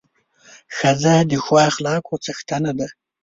ښځه د ښو اخلاقو څښتنه ده.